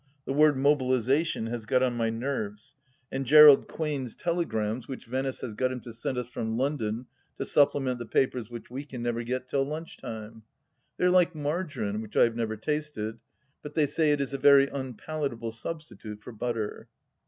The word mobilization has got on my nerves. And Gterald Quain's telegrams which Venice has got him to send us from London, to supplement the papers which we can never get till limch time 1 They are like margarine, which I have never tasted, but they say it is a very unpalatable substitute for butter.